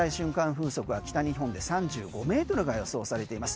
風速は北日本で３５ｍが予想されています。